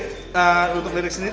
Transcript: eee untuk lirik sendiri